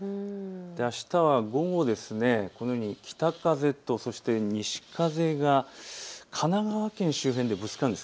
あしたは午後、このように北風とそして西風が神奈川県周辺でぶつかるんです。